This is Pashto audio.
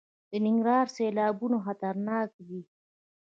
د ننګرهار سیلابونه خطرناک دي